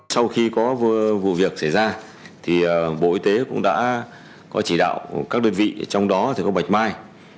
sau khi có vụ việc xảy ra bộ y tế cũng đã có chỉ đạo các đơn vị trong đó thì có bạch mai